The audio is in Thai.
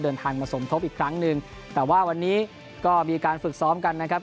เดินทางมาสมทบอีกครั้งหนึ่งแต่ว่าวันนี้ก็มีการฝึกซ้อมกันนะครับ